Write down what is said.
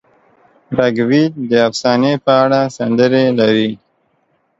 رګ وید د افسانې په اړه سندرې لري.